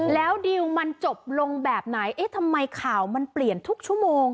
แล้วดิวมันจบลงแบบไหนเอ๊ะทำไมข่าวมันเปลี่ยนทุกชั่วโมง